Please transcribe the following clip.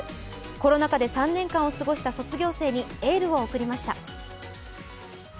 コロナ禍で３年間を過ごした卒業生にエールを送りました。